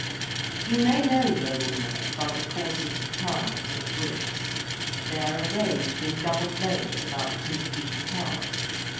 You may know Roman work by the courses of tiles or bricks. They are arranged in double layers about 2 feet apart.